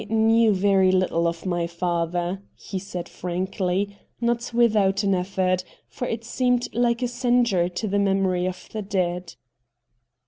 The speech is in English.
' I knew very Httle of my father,' he said frankly — not without an effort, for it seemed like a censure on the memory of the dead.